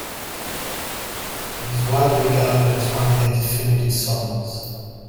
It is widely regarded as one of their definitive songs.